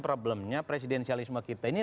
problemnya presidensialisme kita ini